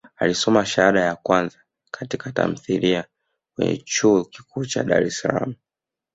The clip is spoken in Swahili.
Alisoma shahada ya kwanza katika tamthilia kwenye Chuo Kikuu cha Dar es Salaam